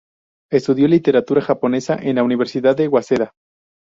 Estudió literatura japonesa en la Universidad de Waseda.